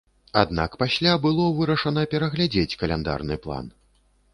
Аднак пасля было вырашана пераглядзець каляндарны план.